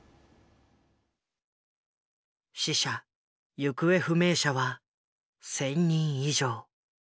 死者行方不明者は１，０００人以上。